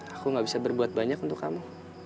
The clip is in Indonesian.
aku gak bisa berbuat banyak untuk kamu